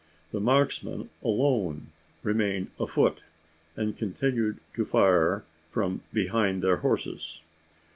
The marksmen alone remained afoot, and continued to fire from behind their horses.